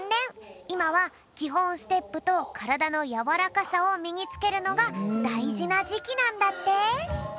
いまはきほんステップとからだのやわらかさをみにつけるのがだいじなじきなんだって！